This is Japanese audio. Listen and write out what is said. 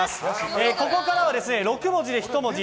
ここからは６文字で１文字。